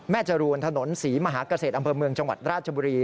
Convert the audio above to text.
จรูนถนนศรีมหากเกษตรอำเภอเมืองจังหวัดราชบุรี